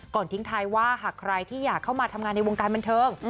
ทิ้งท้ายว่าหากใครที่อยากเข้ามาทำงานในวงการบันเทิง